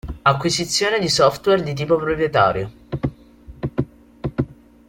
Acquisizione di software di tipo proprietario.